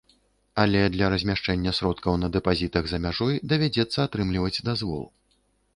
Але для размяшчэння сродкаў на дэпазітах за мяжой давядзецца атрымліваць дазвол.